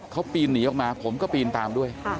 เขาปีนหนีออกมาผมก็ปีนตามด้วย